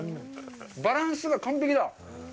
バランスが完璧だ。